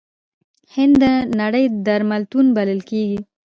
هند د نړۍ درملتون بلل کیږي.